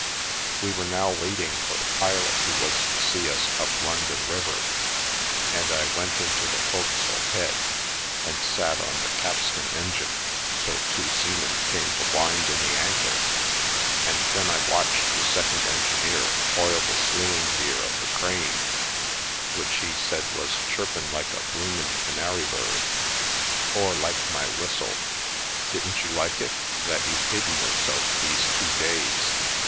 We were now waiting for the pilot who was to see us up London River, and I went into the fo'c'sle head and sat on the capstan engine till two seamen came to wind in the anchor, and then I watched the second engineer oil the slewing gear of the crane, which he said was " chirpin' like a bloomin' canary bird." " Or like my whistle. Didn't you like it, that you've hidden yourself these two days?"